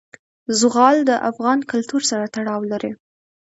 زغال د افغان کلتور سره تړاو لري.